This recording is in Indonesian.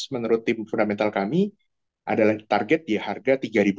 menurut tim fundamental kami adalah target di harga tiga delapan ratus